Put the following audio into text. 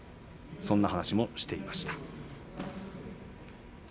そんな話もしていました。